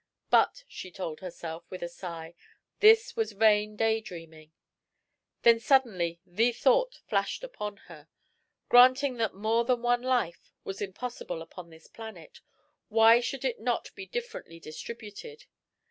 But, she told herself, with a sigh, this was vain day dreaming. Then suddenly the thought flashed upon her. Granting that more than one life was impossible upon this planet, why should it not be differently distributed?